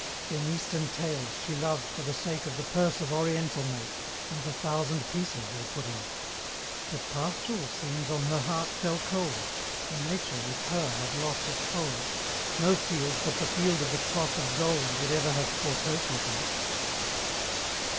Then Eastern Tales she loved for the sake Of the Purse of Oriental make, And the thousand pieces they put in it But Pastoral scenes on her heart fell cold, For Nature with her had lost its hold, No field but the Field of the Cloth of Gold Would ever have caught her foot in it.